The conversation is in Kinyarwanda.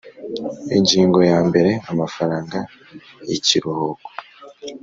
Ingingo ya mbere Amafaranga y ikiruhuko